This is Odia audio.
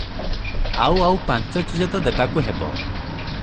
ଆଉ ଆଉ ପାଞ୍ଚ ଚିଜ ତ ଦେବାକୁ ହେବ ।